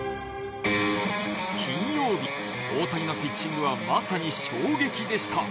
金曜日大谷がピッチングはまさに衝撃でした。